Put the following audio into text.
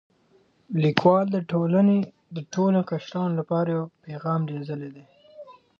لیکوال د ټولنې د ټولو قشرونو لپاره یو پیغام لېږلی دی.